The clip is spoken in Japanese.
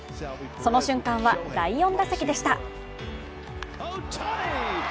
その瞬間は第４打席でした。